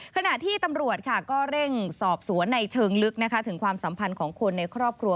ขณะที่ตำรวจก็เร่งสอบสวนในเชิงลึกถึงความสัมพันธ์ของคนในครอบครัว